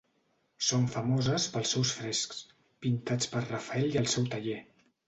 Són famoses pels seus frescs, pintats per Rafael i el seu taller.